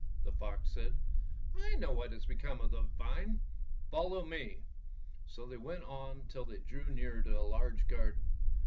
'' the fox said. "I know what has become of that vine. Follow me.'' So they went on till they drew near to a large garden.